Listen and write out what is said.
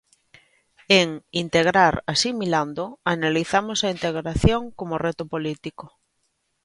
En 'Integrar asimilando' analizamos a integración como reto político.